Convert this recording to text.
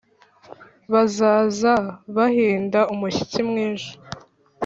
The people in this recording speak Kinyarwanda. bazaza bahinda umushyitsi mwinshi